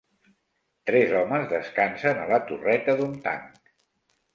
Tres homes descansen a la torreta d'un tanc